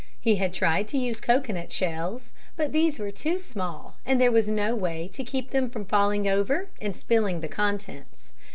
He had tried to use cocoanut shells, but these were too small and there was no way to keep them from falling over and spilling the contents.